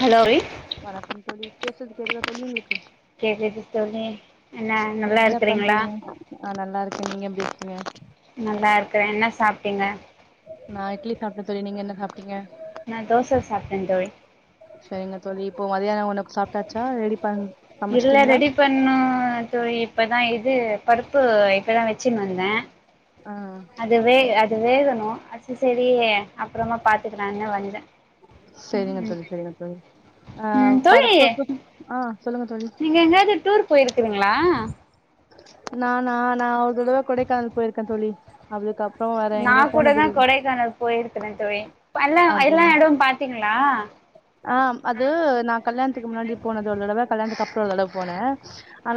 hello வெய் வணக்கம் தோழி பேசற்து கேக்குதா தோழி உங்குளுக்கு கேக்குது தோழி என்ன ம் நல்லா என்ன இருக்கறீங்களா பண்றீங்க ஆ நல்லா இருக்கே நீங்க எப்டி இருக்கீங்க நல்லா இருக்குறே என்ன சாப்ட்டீங்க நா இட்லி சாப்ட்டே தோழி நீங்க என்ன சாப்ட்டீங்க நா தோச சாப்ட்டே தோழி செரிங்க தோழி இப்போ மதியான உணவுக் சாப்ட்டாச்சா ரெடி பண்ண இல்ல ரெடி பண்ணு தோழி இப்பதா இது பருப்பு இப்பதா வெச்சின் வந்தே ஆ அது வே அது வேகணு அது செரி அப்புறமா பாத்துக்கலானு வந்தே செரிங்க தோழி செரிங்க தோழி ஆ ம் தோழி பருப்புக்கு ஆ சொல்லுங்க தோழி நீங்க எங்கையாவ்து டூர் போயிருக்கீங்ளா நானா நா ஒரு தடவ கொடைக்கானல் போயிருக்கே தோழி அதுக்கு அப்றோ வேற எங்க்யு போனதில்ல போயிருக்குற தோழி பல்லா எல்லா அப்டி எடொ பாத்தீங்களா ஆ அது நா கல்யாணத்துக்கு முன்னாடி போனது ஒரு தடவ கல்யாணத்துக்கு அப்புற ஒரு தடவ போன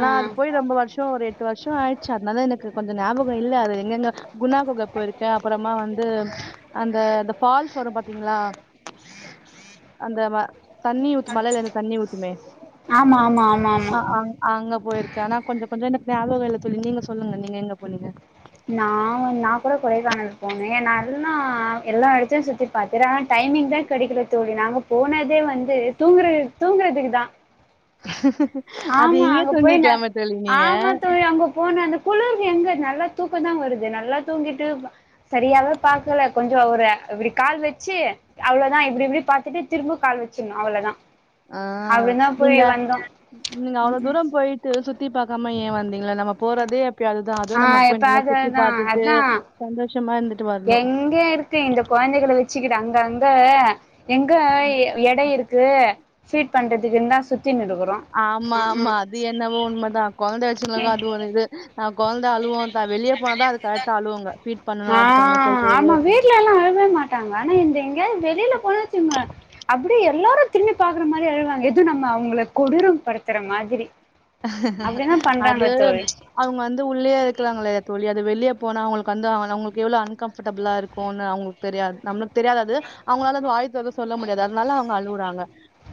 ஆ அது போய் ரொம்ப வருஷோ ஒரு எட்டு வருஷோ ஆயிட்ச்சி அத்னாலா எனக்கு கொஞ்ச ஞாபகோ இல்ல அது எங்கெங்க குணா குக போய்ருக்கே அப்புறமா வந்து அந்த அந்ந ஃபால்ஸ் வரும் பாத்தீங்களா அந்த ம தண்ணி ஊத் மழல இருந்து தண்ணி ஊத்துமே ஆமா ஆமா ஆமா ஆமா ஆ ஆ அங்க போயிருக்கே ஆனா கொஞ்சோ கொஞ்சோ எனக் ஞாபகோ இல்ல தோழி நீங்க சொல்லுங்க நீங்க எங்க போனீங்க நா நா கூட கொடைக்கானல் போனே நல்லா எல்லா எடத்தையு சுத்தி பத்துரா டைமிங்தா கெடைக்கேல தோழி நாங்க போனதே வந்து தூங்குற தூங்கறதுக்குதா [unintelligible] ஆமா இங்கயே அங்க போயி நா தூங்கிருக்கலாமே தோழி நீங்க ஆமா தோழி அங்க போன அங்க குளுர்க் எங்க நல்லா தூக்கந்தா வருது நல்லா தூங்கிட்டு செரியாவே பாக்கல கொஞ்சோ ஒரு இப்படி கால் வெச்சி அவ்ளோதா இப்புடி இப்புடி பாத்துட்டு திரும்ப கால் வெச்சின்னு அவ்வளதா ஆ அவ்ளந்தா போய் நீங்க வந்தோ நீங்க அவ்ளோ தூரோள் போய்ட்டு சுத்தி பாக்காம ஏ வந்தீங்க நம்ம போறதே எப்பையாவ்து தா ஆ அதவு நம்ம போய் இப்ப நல்லா அது சுத்தி அதா பாத்துட்டு அதா சந்தோஷமா இந்து எங்க இருக்கு இந்த கொழந்தைகள வெச்சிக்கிட்டு அங்க அங்க எங்க எட இருக்கு க்கு ஃபீட் பண்றதுக்கு இன்னா சுத் ஆமா ஆமா அது என்னவோ உண்மதா கொழந்த வெச்சுக்குறவங்கல்லா ம் அது ஒரு இது நா கொழந்த அழுவு த வெளிய போனதா அது கரெக்டா அழுவுங்க ஃபீட் பண்ணணு ஆ அது பண்ணு சொல்ட்டு வெளியே உக்காந் ட்டாங்க ஆனா எந்து எங்யாத் வெளில போனோ வெச்சுங்க அப்பிடி எல்லாரு திரும்பி பாக்கற மாரி அழுவாங்க எதுவு நம்ம அவுங்கள கொடூற படுத்துற மாதிரி அப்டிதா அது பண்றாங்க தோழி அவுங்க வந்து உள்ளேயே இர்க்கறாங்கல்லயா தோழி அது வெளிய போனா அவுங்களுக்கு வந்து அவுங்களுக்கு எவ்ளோ அன்கம்பர்டபிளா இருக்குனு அவுங்களுக் தெரியாது நம்ளுக் தெரியாது அது அவுங்களால அது வாயத்தொறந்து சொல்ல முடியாது அதனால அவுங்க அழுவுறாங்க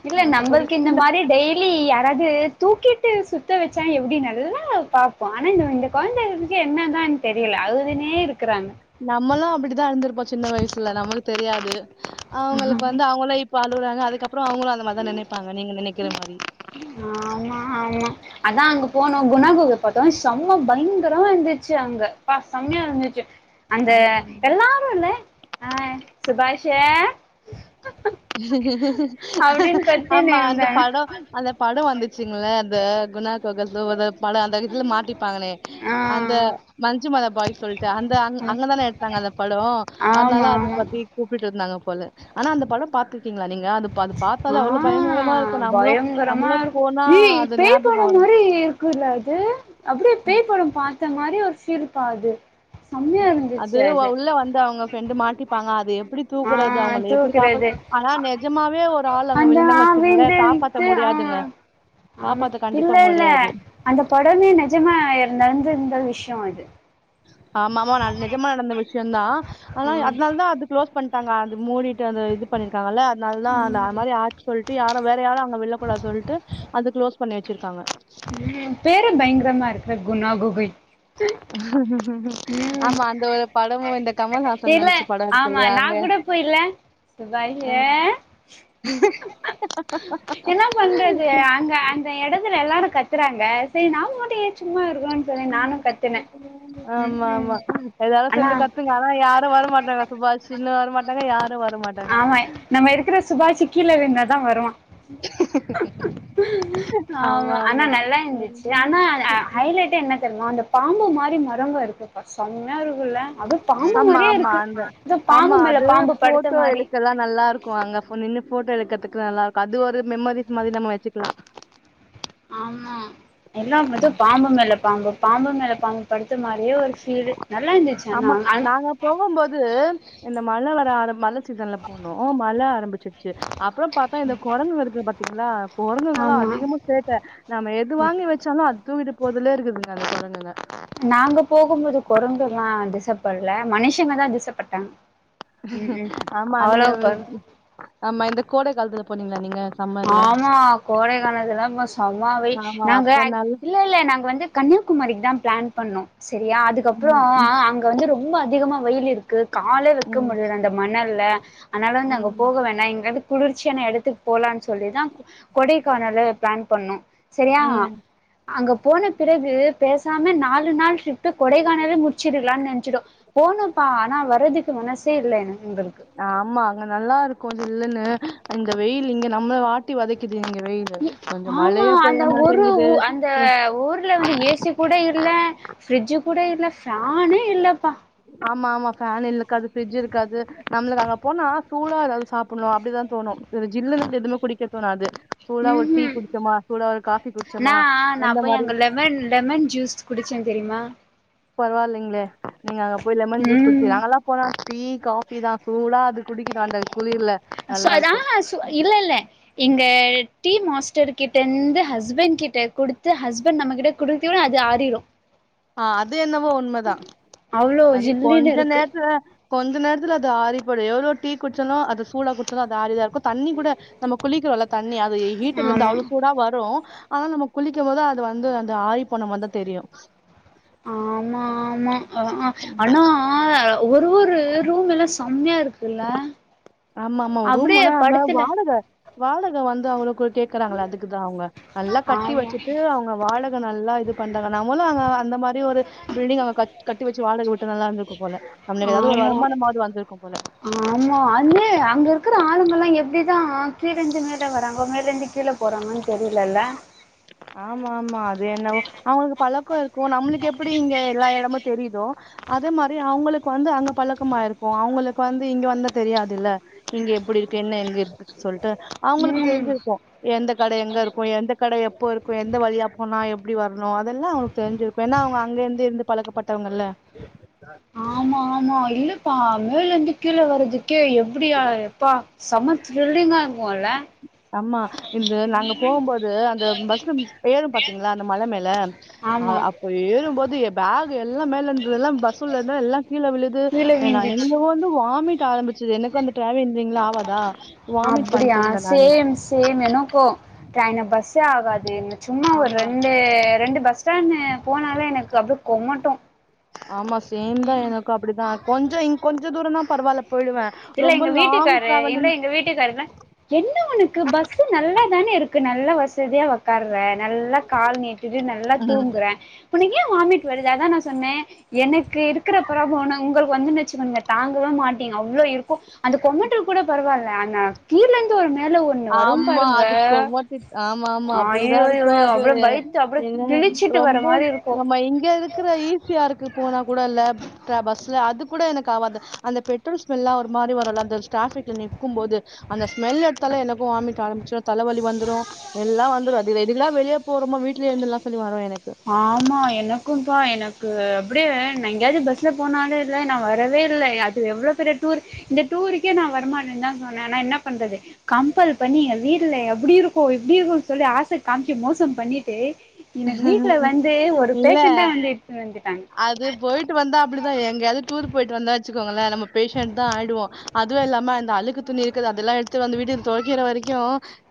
இல்ல மத்தபடி நம்பள்க்கு சில இந்த மாரி டெய் ய்லி யாராது தூக்கிட்டு சுத்த வெச்சா எப்டி நல்லா பா ஆனா இந்த இங்க கொழந்தைகளுக்கு என்னதான் தெரியல அழுதுனே இருக்குறாங்க நம்மளு அப்பிடித்தா அழுந்து இருப்போ சின்ன வயசுல நம்மளு தெரியாது அவுங்களுக்கு வந்து அவுங்க எ இப்ப அழுவுறாங்க அதுக்கப்புறோ அவுங்களு அந்த மாரி தா நெனைப்பங்க நீங்க நெனைக்கிற மாரி ஆமா ஆமா அதா அங்க போனோ குணா குக பாத்தோ சம்ம பயங்கரமா இருந்துச்சு அங்க பா சம்மையா இருந்துச்சி அந்த ஆமா எல்லாரு இல்லே ஆ சுபாஷு ஆமா அந்த இருந்தாங்க படோ அந்த படோ வந்துச்சிங்களே அந்த குணா கொக [unintelligible] மல அந்த இதுல மாட்டிப்பானே ஆ அந்த மஞ்சுமத பாய்ஸ் சொல்ட்டு அந்த அங் அங்கதானே அந்த படோ ஆமா அத்னால அது பத்தி கூப்பிட்ருந்தாங்க போல ஆனா அந்த படோ பாத்திருக்கீங்ளா நீங்க அது அது பாத்தாலே ஆமா அவ்ளோ பயங்கரமா ஆ இருக்கு நம்ப்ளு பயங்கரமா நம்ப்ளு இருக்கும் போனா அது ஞாபகு வரு இல்லது அப்டியே பேய் படம் பார்த்த மாதிரி ஒரு சிரிப்பாது அது உள்ள வந்த அவங்க ஃப்ரெண்டு மாட்டிப்பாங்க அது எப்டி ஆ தூக்குறது அவங்கள எப்படி காப்பாத் தூக்குறது ஆனா நிஜமாவே ஒரு ஆள் அங்க அந்த விழுந்தாங் வச்சங்களே காப்பாத் ஆவேந்தெழுத்து ஆ முடியாதுங்க ஆமா காப்பாத்த இல்ல கண்டிப்பா இல்ல முடியாது அந்த படமே நிஜமா இருந்த நடந்திருந்த விஷயோ இது ஆம ஆமா ந நெஜமா நடந்த விஷியந்தா ஆனா ஆ அத்னால்தா அது க்ளோஸ் பண்ட்டாங்க அது மூடிட்டு அந்த இது பண்ணிருக்காங்கள அத்னால்தா அந்த மாரி ஆ சொல்ட்டு யாரு வேற யாரு அங்க வில்ல கூடாது சொல்டு அது க்ளோஸ் பண்ணி வச்சிருக்காங்க பேரே பயங்கரமா இருக்குல குணா குகை ஆமா அந்த ஒரு படமு இந்த கமல்ஹாசன் நடிச்ச பட இருக்கு இல்லையா அங்க இப்ப இல்ல வைஹ ஆ என்னா பண்றது அங்க அங் சி எடத்துல எல்லாரு கத்துறாங்க செரி நாமமட்டு ஏ சும்மா இருக்கனுன் சொல்லி நானு கத்துனே ம் ஆமா ம் ஆமா எல்லாரு ஆனா சேந்து கத்துங்க ஆனா யாரு வரமாட்டோங்க சுபாஷின்னு வரமாட் லங்க யாரு வர மாட்டாங்க ஆமா நம்ம இருக்கிற சுபாஷி கீழ விழுந்தாதா வருவா [inaudible] ஆமா ஆனா நல்லா இந்துச்சுல உம் ஆனா ஹைலைட்டே என்ன தெரிமா அந்த பாம்பு மாரி மரங்க இருக்குப்பா சம்யா இருக்குல அது பாம்பு ஆமா மாரியே ஆமா இருக்கு அந்த ஏதோ ஆமா பாம்பு மேல அது பாம்பு படுத்த ஃபோட்டோ மாரி எடுக்கலான் நல்லா இருக்கு அங்க ஃபோ நின்னு ஃபோட்டோ எடுக்கற்துக்கு நல்லா இருக்கு அது ஒரு மெமரிஸ் மாரி வெச்சிக்லா ஆமா எல்லா வந்து பாம்பு மேல பாம்பு பாம்பு மேல பாம்பு படுத்து மாரியே ஒரு ஃபீலிங் நல்லா இந்துச் ஆமா நாங்க போகும்போது இந்த மழ வர ஆர மல சிசன்ல போனோ ஓ மழ ஆரம்பிச்சிருச்சு அப்புறம் பாத்தா இந்த கொரங்குங்க இருக்கு பாத்தீங்ளா கொரங்குங்கல்லா ஆமா அதிகமா சேட்ட நம்ம எது வாங்கி வெச்சாலு அது தூக்கிட்டு போறதிலேயே இருக்குதுங்க அந்த கொரங்குங்க நாங்க போகும்போது கொரங்குல்லா திசப்படல மனுஷங்க தா திசப்பட்டாங்க ம் ம் ஆமா நீங்க அவ்வளவு ஆமா இந்த கோடை காலத்துல போனீங்களா நீங்க சம்மர்ல ஆமா கோடைகாலத்துல ம்மா சமம்மா வெயி ஆமா நாங்க அப்போ அ நல் இல்ல இல்ல நாங்க வந்து கன்னியாகுமரிக்கு தா பிளான் பண்ணோ சரியா அதுக்கப்புறோ ம் ஆ ம் அங் அங்க வந்து ரொம்ப அதிகமா வெயில் இருக் கால வக்க ம் முடியல அன்ட மணல்ல அனால நாங்க ம் போக வேனா இங்கிருந்து குளிர்ச்சியான எடத்துக்கு போலாம்னு சொல்லிதா கொடைகானல் பிளான் பண்ணோ செரியா ம் அங்க போன பிறகு பேசாம நாலு நாள் ஷிஃப்ட்டு கொடைக்கானவே முட்ச்சிடலான்னு நென்ச்சிடோ போனும்ப்பா ஆனா வரறதுக்கு மனசே இல்லை என எங்களுக்கு ஆமா அங்க நல்லா இருக்கு சில்ல்லுன்னு இங்க வெயில் இங்க நம்மள வாட்டி வதைக்குது இங்க வெயில் ஆமா அந்த ஒரு அந்த ஒ- ஊர்ல வந்து ஏசி கூட இல்ல பிரிட்ஜ் கூட இல்ல ஃபேனே இல்லப்பா ஆமா ஆமா ஃபேன் இலுக்காது பிரிட்ஜ் இருக்காது நம்மளுக்கு அங்க போனா சூடா எதாவ்து சாப்புண்ணு அப்டிதா தோணு ஒரு ஜில்லுனு எதுவுமே குடிக்க தோணாது சூடா ம் ஒரு டீ ம் குடிச்சோமா சூடா ஒரு காபி குட்ச்சோமா நா நா அந்த போய் மாரி அங்க லெமன் லெமன் ஜூஸ் புடிச்சே தெரியுமா பரவாயில்லைங்களே நீங்க அங்க போய் லெமன் ஜூஸ் ம் குடிச்சீஙக நாங்களா போனா டீ காஃபி தா சூடா அது குடிக்கனு அந்த குளிர்ல சொ நல்லா அதா இருக்கு சொ இல்லல்ல இங்க டி மாஸ்டர் கிட்ட ந்து ஹஸ்பண்ட் கிட்ட குடுத்து ஹஸ்பண்ட் நம்மகிட்ட குடுசோனே அது ஆறிரு ஆ அது என்னவோ உண்மதா அவ்ளோ அது ஜில்லுன்னு கொஞ்ச இருக்கு நேரத்துல கொஞ்ச நேர்த்துல அது ஆறிப்போயிடு எவ்ளோ டீ குட்ச்சேனா அது சூடா குட்ச்சனா அது ஆறிதா இருக்கு தண்ணி கூட நம்ம குளிக்கிறோல தண்ணி அது ஹீட்டல இருந்து ஆமா அவ்ளோ சூடா வரு ஆனா நம்ம குளிக்கும் போது அது வந்து அந்த ஆரி போனமார் தா தெரியு ஆமா ஆமா அ ஆ ஆனா ஒரு ஒரு ரூம் எல்லா செம்மையா இருக்குல்ல ஆமா ஆமா ரூம் அப்டியே வேணா நாங்க படுத்துல வாடக வாடக வந்து அவ்ளோகோ கே க்கறாங்கல்ல அதுக்குதா அவுங்க நல்லா கட்டி ஆமா வெச்சுட்டு அவுங்க வாடக நல்லா இது பண்றாங்க நம்மளு அங்க அந்த மாரி ஒரு பில்டிங் அவுங்க கட் கட்டி வெச்சு வாடக விட்டு நல்லா இருந்திருக்கு போல நம்மளுக்கு எதாவது ஒரு ஆமா வருமானமாவது வந்திருக்கு போல க்கிற ஆளுங்கெல்லா எப்டிதா கீழிந்து மேல வராங்கோ மேலிருந்து கீழ போறாங்கன்னு தெரில இல்ல ஆமாமா அது என்னவோ அவுங்களுக்கு பழக்கோ கோ நம்மளுக்கு எப்டி இங்க எல்லா எடமு தெரியுதோ அதே மாரி அவுங்களுக்கு வந்து அங்க பழக்கமாயிருக்கு அவுங்களுக்கு வந்து இங்க வந்தா தெரியாதில்ல இங்க எப்புடி இருக்கு என்ன எங்க இருக்குக் சொல்ட்டு அவுங்களுக்கு ம் தெரிஞ்சிர்க்கோ எந்த கட எங்க இருக்கோ எந்த கட எப்போ இருக் கு எந்த வழியா போனா எப்டி வர்ணு அதெல்லா அவுள்க்கு தெரிஞ்சிருக்கு ஏன்னா அவுங்க அங்கே இர்ந்து இர்ந்து பழக்கப்பட்டவங்கல்ல ஆம்மா ஆம்மா இல்லப்பா மேல இர்ந்து கீழ வர்றதுக்கே எப்டியா எப்பா செம்ம த்ரில்லிங்கா இருக்கோல்ல அம்மா இந்த நாங்க போம்போது அந்த பஸ்ல பேரு பாத்தீங்களா அந்த மல மேல ஆம்மாம் அ அப்ப ஏறும்போது எ பேக் எல்லா மேல இந்ததெல்லா பஸ் உள்ளதா எல்லா கீழ விழுது கீழ எ நா விழுந்துச்சு என்னவோ வந்து வாமிட் ஆரம்பிச் சுது எனக்கு அந்த டிராவ இந்தீங்களா அப்டியா சேம் சேம் எனக்கோ ட்ரெயின் பஸ்ஸே ஆகாது சும்மா ஒரு ஆமா ரெண்டு ரெண்டு பஸ் சானு போனாலே எனக்கு அப்டே கொமட்டு ஆமா சேம்தா எனக்கு அப்டிதா கொஞ்ச இங்க கொஞ்ச தூரன்னா பரவால போயிடுவே இல்ல ரொம்ப எங்க லாங் வீட்டுக்காரு இல்ல டிராவலிங் எங்க வீட்டுக்காருல்ல என்ன ஒனக்கு பஸ்ஸு நல்லா தானே இருக்கு நல்ல வசதியா ஒ உக்கார நல்லா கால் நீட்டிட்டு நல்லா தூங்குறே உனக்கு ஏ வாமிட் வருது அதா நா சொன்னே எனக் கு இருக்கிற ப்ராப்ள ஒண்ணு உங்களுக்கு வந்துனுச்சு வைங்க தாங்கவே மாட்டீங்க அவ்ளோ இருக்கு அந்த கொமட்டல் கூட ப பரவால ஆனா கீழ இந்து ஒரு மேல ஒன்னு வரும் ஆமா பாருங்க அது கொமட்டிட் ஆமா ஆமா அய் அப்டிதா இருக்கு அய்யோ அது அவ்ளோ பை த்து அப்டியே என்ன கிழிச்சிட்டு வர மாரி இருக்கோ க்குற ஈ சி ஆருக்கு போனா கூடல்ல ட்ரா பஸ்ல அது கூட எனக்கு ஆவாது அந்த பெட் ட்ரோல் ஸ்மெல்லா ஒரு மாரி வருல்ல அந்த ஸ்ட்ராஃபிக்ல நிக்கும் போது அந்த ஸ்மெல் எடுத்தாலே எனக்கு வாமிட் ஆரம்பிச்சிரு தலவலி வந்துரு எல்லா வந்துரு அது எதுக்குல்லா வெளிய போறோமோ வீட்லயே இருந்தற்ல்லா சொல்லி வரோ எனக்கு ஆமா எனக்கும்பா எனக்கு அப்பிடியே நா எங்கயாச்சு பஸ்ல போனாலே ல நா வரவே இல்ல ய அது எவ்ளோ பெரிய டூர் இந்த டூர்ருக்கே நா வரமாட்டே தா சொன்ன ஆனா என்ன பண்றது கம்பல் பண்ணி ஏ வீ ட்ல அப்டி இருக்கு இப்டி இருக்குன்னு சொல்லி ஆச காம்ச்சி மோசோ பண்ணிட்டு எனக்கு வீட் ல வந்து ஒரு பேஷண்டா வந்து இட்னு வந்துட்டாங்க போய்ட்டு வந்தா அப்டிதா எங்கயாவது டூர் போயிட்டு வந்தா வச்சுகோங்களே நம்ம பேஷண்ட் தா ஆய்டுவோ அதுவு இல்லாம அந்த அலுக்கு துணி இருக்குத அதெல்லா எடுத்து வந்து வீட்டுக் தோய்க்கற வரைக்கு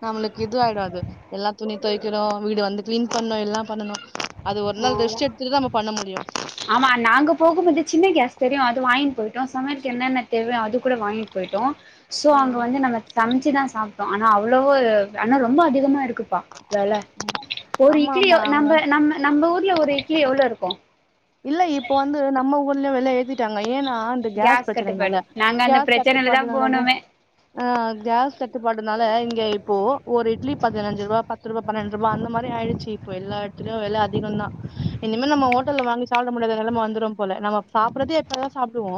நம்ளுக்கு இது ஆயிடாது அது எல்லா துணி தோய்க்கறோ வீடு வந்து கிளீன் பண்ணு எல்லாம் பண்ணனு அது ஒரு நாள் ஆமா ரெஸ்ட் எடுத்துட்டு நம பண்ண முடியு ஆமா நாங்க போகும்போது சின்ன கேஸ் தெரியு அது வாய்ங்ட்டு போயிட்டோ சமையலுக்கு என்னென்ன தேவயோ அது கூட வாங்கிட் போயிட்டோ சோ அங்க வந்து நம்ம சமைச்சிதா சாப்பிட்டோ ஆனா அவ்வளோ ஆனா ரொம்ப அதிகமா இருக்கு ப வெல ஒரு ஆமா இட்லி ஆமா யோ அவங்க நம்ப நம்ம நம்ப ஊர்ல ஒரு இட்லி எவ்ளோ இருக்கு இல்ல இப்ப வந்து நம்ம ஊர்லயு வெல ஏத்தி ட்டாங்க ஏன்னா இந்த கேஸ் கட்டுப்பாடு பிரச்சனைனால நாங்க அந்த கேஸ் பிரச்சனையில தா கட்டுப்பாடுனாலதா போனோமே ஆ கேஸ் தட்டுப்பாடுனால இங்க இப்போ ஒரு இட்லி பதினஞ்சுரூபா பத்துருவா பன்னெண்டுரூவா அந்த மாரி ஆயிடுச்சு இப்போ எல்ல எடத்துலயு வெல அதிகந்தா இனிமே நம்ம ஓட்டல்ல வாங்கி சாப்ட முடியாத நெலம வந்துரும் போல நம சாப்புறதே எப்பயாதா சாப்டுவோ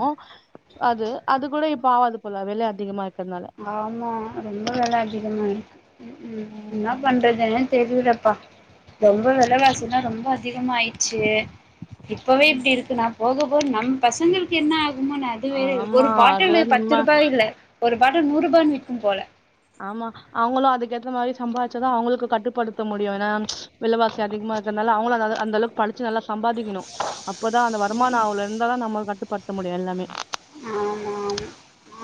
அது அது கூட இப்ப ஆவாது போல வெல அதிகமா இருக்கறதுனால ஆமா ரொம்ப வெல அதிகமா இருக்கு ம் ம் என்ன பண்றதுன்னே தெரியிலப்பா ரொம்ப வெலவாசில்லா ரொம்ப அதிகமாயிடுச்சு இப்போவே இப்டி இருக்குன்னா போகபோக நம் பசங்களுக்கு என்ன ஆகுமோன்னு அது வேற ஒரு ஆமா அது பாட்டுலு நம்ம பத்து ரூபா இல்ல வட நூரூபான்னு விக்கு போல ஆமா அவுங்களு அதுக்கேத்த மாரி சம்பாதிச்சதா அவங்களுக்கு கட்டுப்படுத்த முடியு ஏனா வெலவாசி அதிகுமா இருக்கறனால அவங்களு அ அந்த அளவுக்கு படிச்சு நல்லா சம்பாதிக்குணு இப்பதா அந்த வருமானோ அவ்ளோ இருந்தா தா நம்ம கட்டுப்படுத்த முடியு எல்லாமே ஆமா ஆமா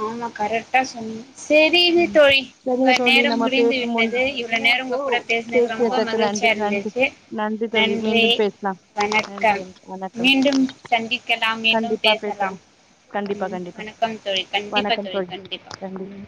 ஆமா கரட்டா சொன்னீங்க செரிங்க தோழி உங்க சரிங்க தோழி நேரம் நம்ம முடிந்து பேசும் முன் விட்டது இவ்வளோ நேர உங்க கூட பேச எனக்கு ரொம்ப பேசியதற்கு நன்று மகிழ்ச்சியா நன்றி இருந்துச்சி தோழி நன்றி மீண்டும் பேசலாம் நன்றி வணக்கம் வணக்கம் மீண்டும் சந்திக்கலாம் மீண்டும் பேசலாம் கண்டிப்பா ம் கண்டிப்பா வணக்கம் தோழி கண்டிப்பா வணக்கம் தோழி கண்டிப்பா நன்றி ம்